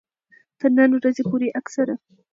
تر نن ورځې پورې اکثره